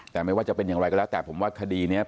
แต่ไม่ว่าจะเป็นอย่างไรก็แล้วแต่ผมว่าคดีนี้